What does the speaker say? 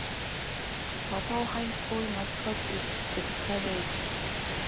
Paw Paw High School's mascot is the pirate.